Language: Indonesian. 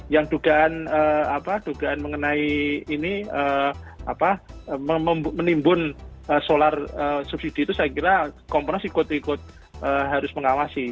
yang dugaan apa dugaan mengenai ini apa menimbun solar subsidi itu saya kira komponas ikut ikut harus mengawasi